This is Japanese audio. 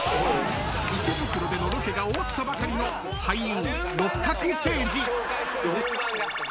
［池袋でのロケが終わったばかりの俳優］